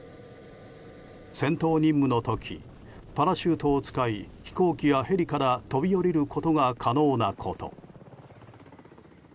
戦闘任務の時パラシュートを使い飛行機やヘリから飛び降りることが可能なこと。